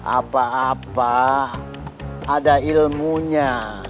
apa apa ada ilmunya